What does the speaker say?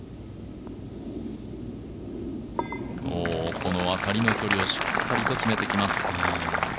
この辺りの距離をしっかりと決めていきます。